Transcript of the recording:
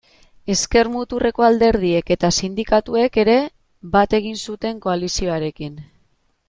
Ezker-muturreko alderdiek eta sindikatuek ere bat egin zuten koalizioarekin.